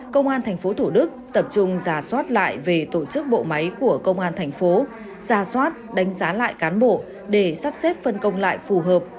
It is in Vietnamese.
công an thành phố thủ đức tập trung rà soát lại về tổ chức bộ máy của công an thành phố rà soát đánh giá lại cán bộ để sắp xếp phân công lại phù hợp